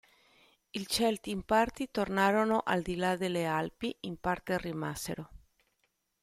I Celti in parte tornarono al di là delle Alpi, in parte rimasero.